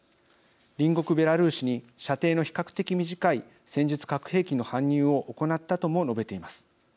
隣国ベラルーシに射程の比較的短い戦術核兵器の搬入を行ったとも述べています。